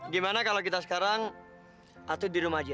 gimana kalo kita sekarang atut di rumah aja